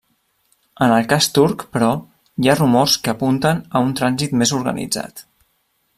En el cas turc, però, hi ha rumors que apunten a un trànsit més organitzat.